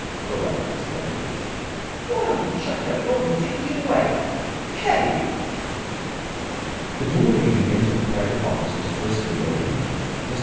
the latter exclaimed. "Why don't you chuck that rotten dickey away? Cave!" The door leading into the private office was brusquely opened. Mr.